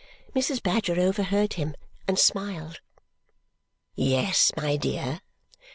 Mrs. Badger overheard him and smiled. "Yes, my dear!"